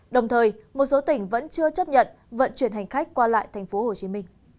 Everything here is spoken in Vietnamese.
đồng thời một số tỉnh vẫn chưa chấp nhận vận chuyển hành khách qua lại tp hcm